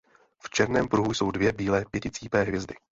V černém pruhu jsou dvě bílé pěticípé hvězdy.